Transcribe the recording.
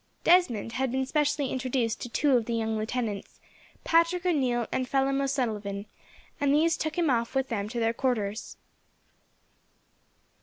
Desmond had been specially introduced to two of the young lieutenants, Patrick O'Neil and Phelim O'Sullivan, and these took him off with them to their quarters.